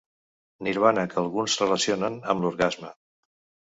Nirvana que alguns relacionen amb l'orgasme.